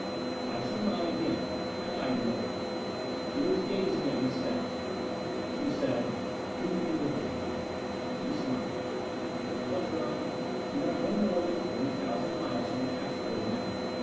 "I shall not again." I eyed Moa. She was gazing at me steadily. She said, "Leave me with him, Miko...." She smiled. "Gregg Haljan, we are no more than twenty thousand miles from the asteroid now.